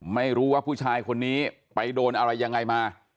ไม่รู้ว่าผู้ชายคนนี้ไปโดนอะไรยังไงมา